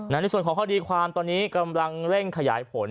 ในส่วนของคดีความตอนนี้กำลังเร่งขยายผล